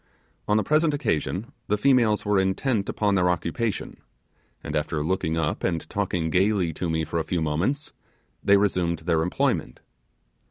On the present occasion the females were intent upon their occupation, and after looking up and talking gaily to me for a few moments, they resumed their employment.